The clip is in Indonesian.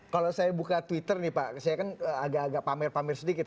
kalau saya buka twitter nih pak saya kan agak agak pamer pamer sedikit